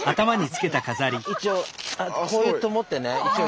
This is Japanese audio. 一応こういうと思ってね。